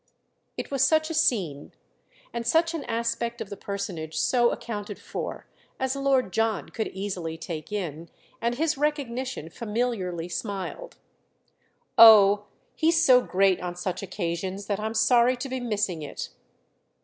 It was such a scene, and such an aspect of the personage so accounted for, as Lord John could easily take in, and his recognition familiarly smiled. "Oh he's so great on such occasions that I'm sorry to be missing it."